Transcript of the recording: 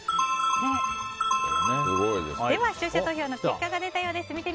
では視聴者投票の結果が出たようです。